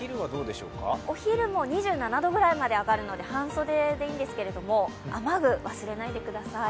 お昼も２７度ぐらいまで上がるので半袖でいいんですけど雨具、忘れないでください。